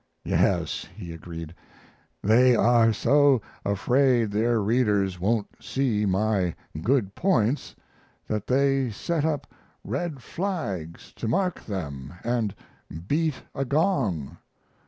"Yes," he agreed, "they are so afraid their readers won't see my good points that they set up red flags to mark them and beat a gong.